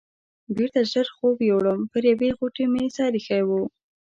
بېرته ژر خوب یووړم، پر یوې غوټې مې سر ایښی و.